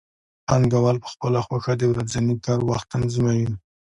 پانګوال په خپله خوښه د ورځني کار وخت تنظیموي